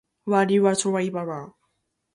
Later, she recalled: I was not terribly impressed.